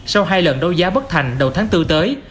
sau hai lần đấu giá bất thành đầu tháng bốn tới